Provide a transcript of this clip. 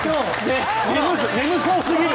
眠そうすぎる！